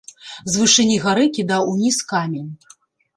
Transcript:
З вышыні гары кідаў уніз камень.